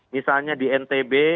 misalnya di ntb